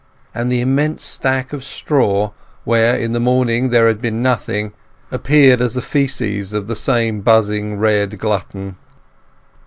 And the immense stack of straw where in the morning there had been nothing, appeared as the faeces of the same buzzing red glutton.